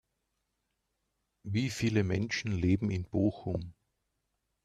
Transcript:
Wie viele Menschen leben in Bochum?